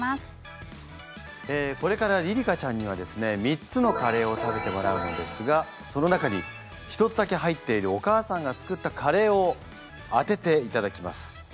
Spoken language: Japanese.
えこれからりり花ちゃんにはですね３つのカレーを食べてもらうんですがその中に１つだけ入っているお母さんが作ったカレーを当てていただきます。